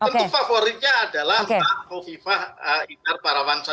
tentu favoritnya adalah pak mufifah iqar parawansa